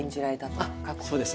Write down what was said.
あっそうですね